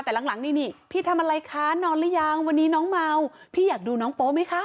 แต่หลังนี่นี่พี่ทำอะไรคะนอนหรือยังวันนี้น้องเมาพี่อยากดูน้องโป๊ไหมคะ